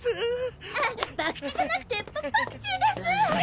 あバクチじゃなくてパパクチーです。